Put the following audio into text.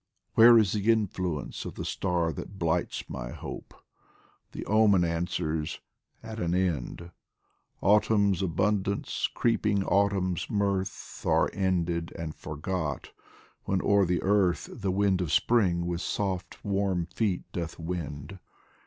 Where is the influence of the star that blights My hope ? The omen answers : At an end ! Autumn's abundance, creeping Autumn's mirth, Are ended and forgot when o'er the earth The wind of Spring with soft warm feet doth wend.